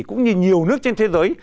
cũng như nhiều nước trên thế giới